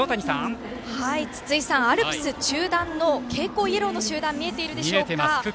筒井さん、アルプス中段の蛍光イエローの集団が見えているでしょうか。